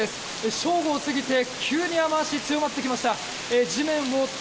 正午を過ぎて急に雨脚が強まってきました。